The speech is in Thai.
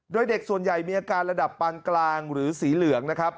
โดยเด็กส่วนใหญ่มีอาการระดับปานกลางหรือสีเหลืองนะครับ